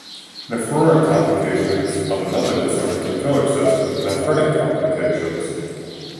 Nephrotic complications of another disorder can coexist with nephritic complications.